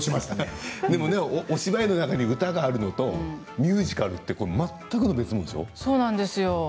でもお芝居の中に歌があるのとミュージカルってそうなんですよ。